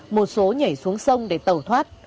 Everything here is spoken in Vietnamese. một số nhảy xuống sông để tẩu thoát